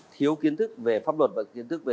thiếu kiến thức về pháp luật và kiến thức về